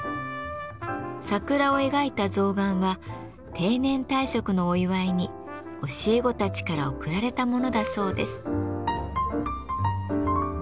桜を描いた象がんは定年退職のお祝いに教え子たちから贈られたものだそうです。